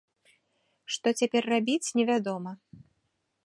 Што цяпер рабіць, невядома.